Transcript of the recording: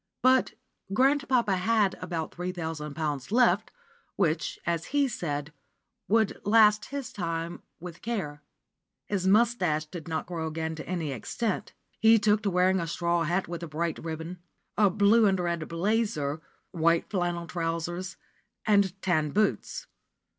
But grandpapa had about three thousand pounds left, which, as he said, would last his time with care. His moustache did not grow again to any extent. He took to wearing a straw hat with a bright ribbon, a blue and red "blazer," white flannel trousers, and tan boots.